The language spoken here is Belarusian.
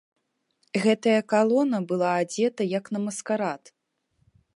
Гэтая калона была адзета, як на маскарад.